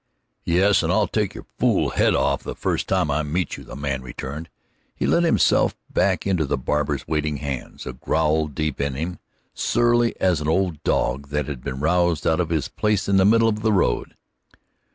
"Yes, and I'll take your fool head off the first time I meet you!" the man returned. He let himself back into the barber's waiting hands, a growl deep in him, surly as an old dog that has been roused out of his place in the middle of the road.